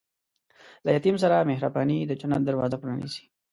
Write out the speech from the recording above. له یتیم سره مهرباني، د جنت دروازه پرانیزي.